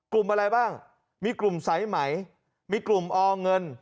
กลุ่มอะไรบ้างมีกลุ่มสายไหมมีกลุ่มอเงิน